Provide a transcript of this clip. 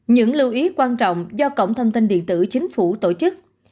những lưu ý quan trọng do cổng thông tin điện tử chính phủ tổ chức